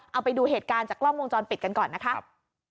เอาไปดูเหตุการณ์จากกล้องวงจรปิดกันก่อนนะครับ